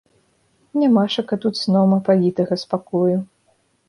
Нямашака тут сном апавітага спакою.